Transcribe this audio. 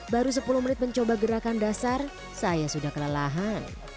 baru sepuluh menit mencoba gerakan dasar saya sudah kelelahan